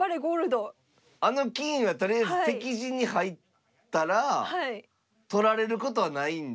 あの金はとりあえず敵陣に入ったら取られることはないんで。